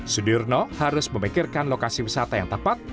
sudirno harus memikirkan lokasi wisata yang tepat